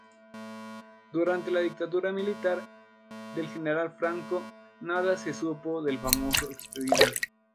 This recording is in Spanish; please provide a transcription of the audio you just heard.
Durante la dictadura militar del general Franco nada se supo del famoso expediente.